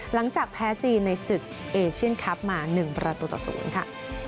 หลังจากแพ้จีนในศึกเอเชียนคลับมา๑ประตูต่อ๐ค่ะ